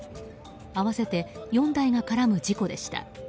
合わせて４台が絡む事故でした。